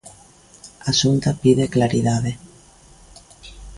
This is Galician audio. A Xunta pide claridade.